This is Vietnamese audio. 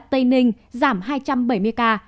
tây ninh giảm hai trăm bảy mươi ca